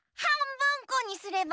ぶんこにすれば？